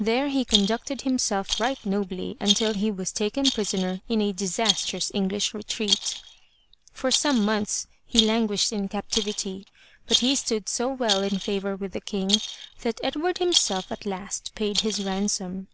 There he conducted himself right nobly imtil he was taken prisoner in a disastrous English retreat. For some months he languished in captivity, but he stood so well in favor with the King, that Edward himself at last paid his ransom.